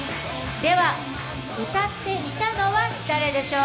では、歌っていたのは誰でしょう。